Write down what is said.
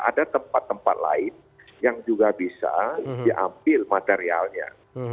ada tempat tempat lain yang juga bisa diambil materialnya